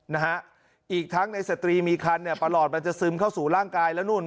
นะฮะอีกทั้งในเศรษฐีมีคันปรอดจะซึมเข้าสู่ร่างกายแล้วนู้น